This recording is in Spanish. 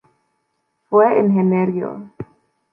Fue ingeniero.